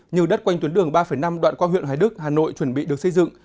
như đất quanh tuyến đường ba năm đoạn qua huyện hoài đức hà nội chuẩn bị được xây dựng